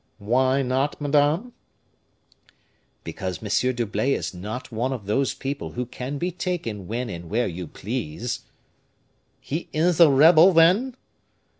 "Why not, madame?" "Because M. d'Herblay is not one of those people who can be taken when and where you please." "He is a rebel, then?"